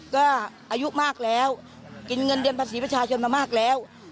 ก็อายุมากแล้วกินเงินเดือนภาษีประชาชนมามากแล้ว